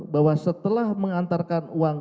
bahwa setelah mengantarkan uang